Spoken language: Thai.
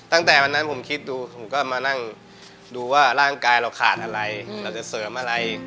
ตั้งแต่วันนั้นผมคิดดูผมก็มานั่งดูว่าร่างกายเราขาดอะไรเราจะเสริมอะไร